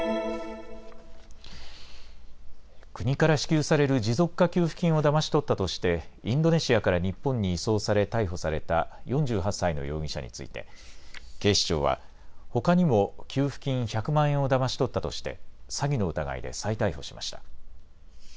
国から支給される持続化給付金をだまし取ったとしてインドネシアから日本に移送され逮捕された４８歳の容疑者について警視庁はほかにも給付金１００万円をだまし取ったとして詐欺の疑いで再逮捕しました。